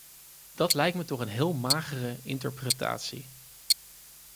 Dat lijkt me toch een heel magere interpretatie.